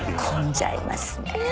混んじゃいますね。